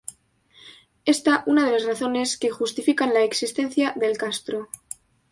Esta una de las razones que justifican la existencia del castro.